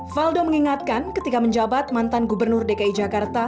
faldo mengingatkan ketika menjabat mantan gubernur dki jakarta